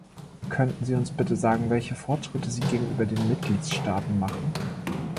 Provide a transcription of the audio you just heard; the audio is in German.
Könnten Sie uns bitte sagen, welche Fortschritte Sie gegenüber den Mitgliedstaaten machen?